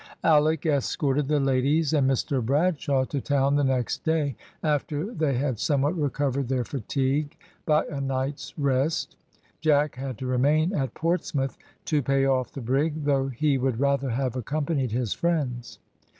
Alick escorted the ladies and Mr Bradshaw to town the next day, after they had somewhat recovered their fatigue by a night's rest. Jack had to remain at Portsmouth to pay off the brig, though he would rather have accompanied his friends.